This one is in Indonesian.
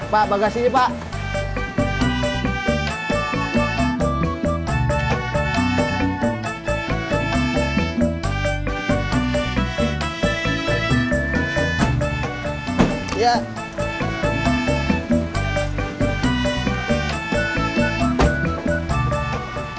pak bagas ini pak